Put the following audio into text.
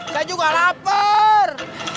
saya juga lapar